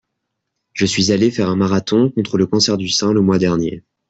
Je suis allé faire un marathon contre le cancer du sein le mois dernier.